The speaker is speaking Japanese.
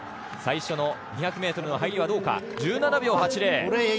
最初の２００ｍの入りは１７秒８０。